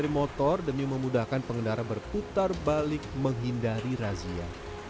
motor demi memudahkan pengendara berputar balik menghindari razia